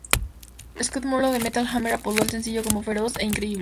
Scott Munro de Metal Hammer apodó el sencillo como "Feroz" e "Increíble".